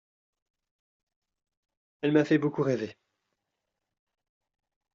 Elle m'a fait beaucoup rêver.